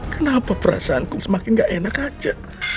kenapa perasaanku semakin gak enak aja